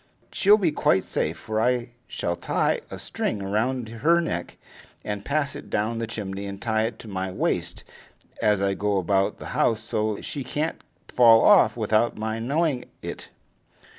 She'll be quite safe, for I shall tie a string round her neck, and pass it down the chimney, and tie it to my wrist as I go about the house, so she can't fall off without my knowing it."